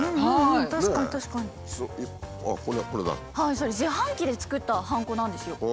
それ自販機で作ったハンコなんですよ。